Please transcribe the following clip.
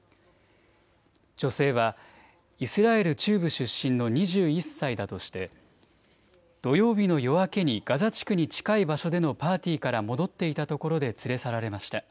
女性はイスラエル中部出身の２１歳だとして土曜日の夜明けにガザ地区に近い場所でのパーティーから戻っていたところで連れ去られました。